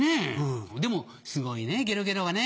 でもすごいねゲロゲロはね。